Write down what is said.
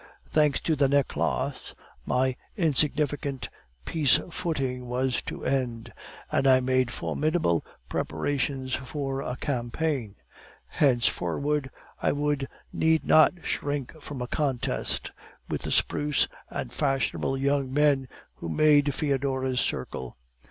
Thanks to the 'Necklace,' my insignificant peace footing was to end, and I made formidable preparations for a campaign. Henceforward I need not shrink from a contest with the spruce and fashionable young men who made Foedora's circle.